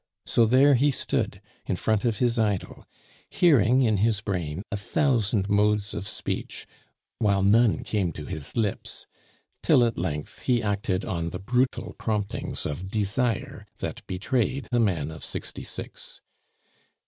So there he stood in front of his idol, hearing in his brain a thousand modes of speech, while none came to his lips, till at length he acted on the brutal promptings of desire that betrayed a man of sixty six.